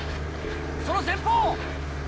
その前方！